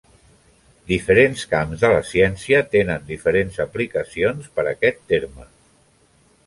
Diferents camps de la ciència tenen diferents aplicacions per a aquest terme.